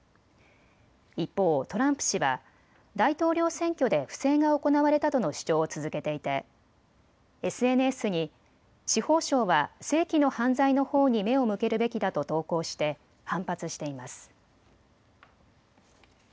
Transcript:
一方、トランプ氏は大統領選挙で不正が行われたとの主張を続けていてＳＮＳに司法省は世紀の犯罪のほうに目を向けるべきだと投稿して反発しています。